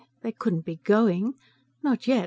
They couldn't be going. Not yet.